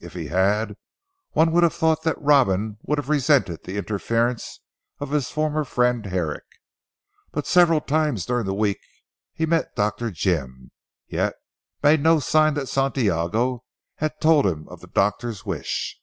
If he had, one would have thought that Robin would have resented the interference of his former friend Herrick. But several times during the week he met Dr. Jim, yet made no sign that Santiago had told him of the doctor's wish.